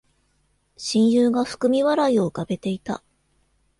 親友が含み笑いを浮かべていた